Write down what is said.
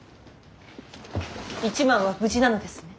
一幡は無事なのですね。